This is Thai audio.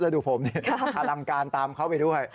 แล้วดูผมนี่พระรำกาลตามเขาไปดูให้